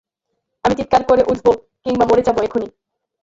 আমি চিৎকার করে উঠব কিংবা মরে যাব এখুনি।